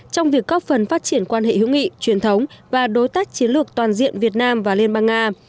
trong việc góp phần phát triển quan hệ hữu nghị truyền thống và đối tác chiến lược toàn diện việt nam và liên bang nga